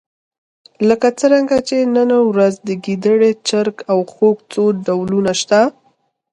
لکه څرنګه چې نن ورځ د ګېدړې، چرګ او خوګ څو ډولونه شته.